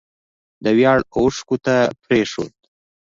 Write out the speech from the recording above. د ویاړ اوښکو ته پرېښود